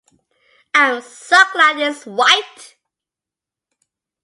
I’m so glad it’s white.